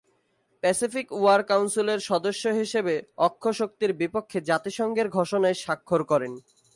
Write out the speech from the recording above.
Pacific War কাউন্সিলের সদস্য হিসেবে অক্ষশক্তির বিপক্ষে জাতিসংঘের ঘোষণায় স্বাক্ষর করেন।